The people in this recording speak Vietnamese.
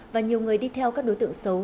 và nhiều người đi theo các đối tượng xấu